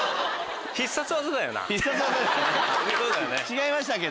違いましたっけ？